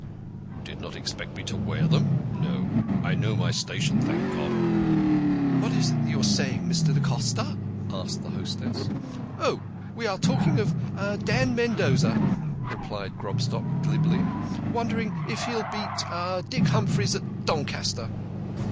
"" You did not expect me to wear them ? No, I know my station, thank God." THE KING OF SCHNORRERS. 49 "What is that you are saying, Mr. da Costa?" asked the hostess. " Oh, we are talking of Dan Mendoza," replied Grobstock glibly ;" wondering if he'll beat Dick Humphreys at Don caster."